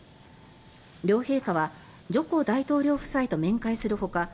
両陛下はジョコ大統領夫妻と面会するほか